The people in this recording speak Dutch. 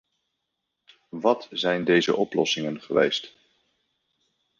Wat zijn deze oplossingen geweest?